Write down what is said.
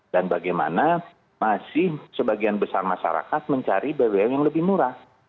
dan bagaimana masih sebagian besar masyarakat mencari bbm yang lebih murah